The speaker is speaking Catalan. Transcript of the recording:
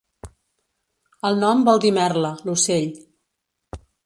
El nom vol dir merla, l’ocell.